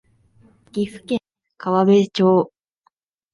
岐阜県川辺町